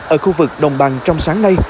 ở khu vực đồng bằng trong sáng nay